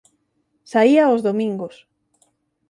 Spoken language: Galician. Saía os domingos.